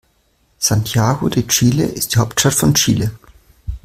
Santiago de Chile ist die Hauptstadt von Chile.